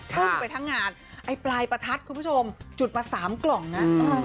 พึ่งไปทั้งงานไอ้ปลายประทัดคุณผู้ชมจุดมา๓กล่องนะ